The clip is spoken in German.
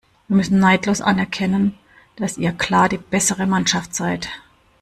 Wir müssen neidlos anerkennen, dass ihr klar die bessere Mannschaft seid.